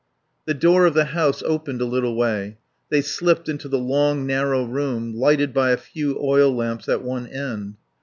The door of the house opened a little way; they slipped into the long narrow room lighted by a few oil lamps at one end.